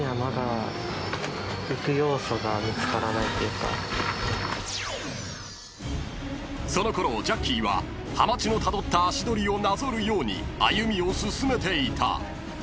［しかし］［そのころジャッキーははまちのたどった足取りをなぞるように歩みを進めていた］